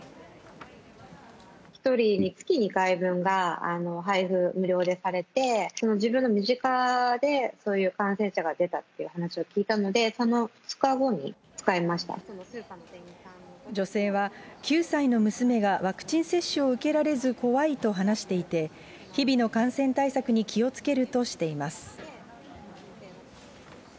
１人につき２回分が配布、無料でされて、自分の身近でそういう感染者が出たという話を聞いたので、その２女性は、９歳の娘がワクチン接種を受けられず怖いと話していて、日々の感染対策に気をつけるとしています。